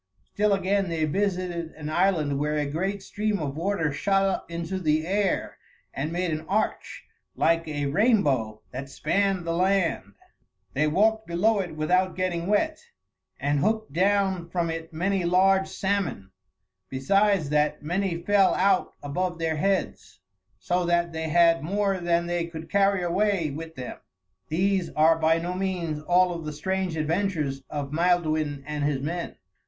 Still again they visited an island where a great stream of water shot up into the air and made an arch like a rainbow that spanned the land. They walked below it without getting wet, and hooked down from it many large salmon; besides that, many fell out above their heads, so that they had more than they could carry away with them. These are by no means all of the strange adventures of Maelduin and his men.